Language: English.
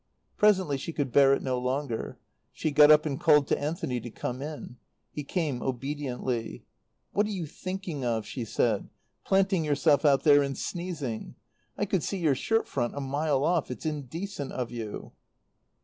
Presently she could bear it no longer. She got up and called to Anthony to come in. He came obediently. "What are you thinking of," she said, "planting yourself out there and sneezing? I could see your shirt front a mile off. It's indecent of you."